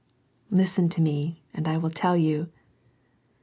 Listen to me, and I will tell you.